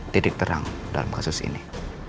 titik terang dalam kasus ini